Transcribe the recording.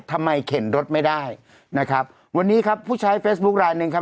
เข็นรถไม่ได้นะครับวันนี้ครับผู้ใช้เฟซบุ๊คลายหนึ่งครับ